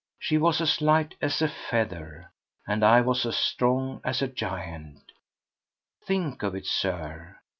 She was as light as a feather, and I was as strong as a giant. Think of it, Sir!